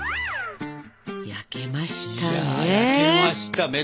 焼けましたね。